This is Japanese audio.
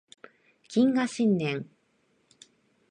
謹賀新年